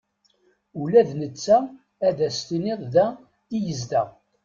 Ula d netta ad as-tiniḍ da i yezdeɣ.